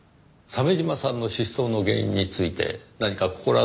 鮫島さんの失踪の原因について何か心当たりはありませんか？